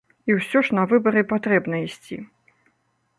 І ўсё ж на выбары патрэбна ісці.